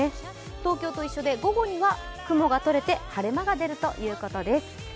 東京と一緒で午後には雲がとれて晴れ間が出るということです。